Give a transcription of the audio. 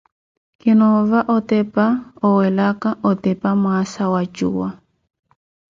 Kinoova otepa olwelaka otepa mwaasa wa ncuwa.